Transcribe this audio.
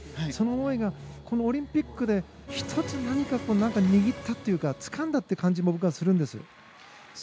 その思いがこのオリンピックで１つ、握ったというかつかんだという感じも僕はするんです。